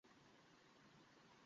বিট্টো, আয়।